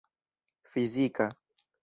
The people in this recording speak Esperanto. fizika